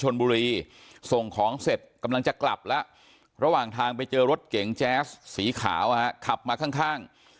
ส่งของเสร็จกำลังจะกลับแล้วระหว่างทางไปเจอรถเก๋งแจ๊สสีขาวขับมาข้าง